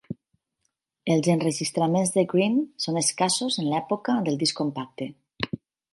Els enregistraments de Greene són escassos en l'època del disc compacte.